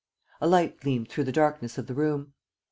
A light gleamed through the darkness of the room.